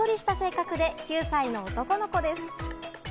おっとりした性格で９歳の男の子です。